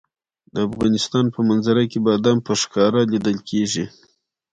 د افغانستان په منظره کې بادام په ښکاره لیدل کېږي.